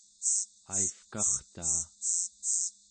aivkartaa